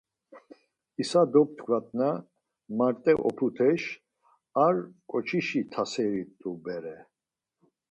İsa doptkvat na marte oput̆eş ar ǩoçişi taseri t̆u bere.